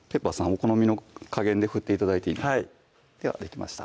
お好みの加減で振って頂いていいのでではできました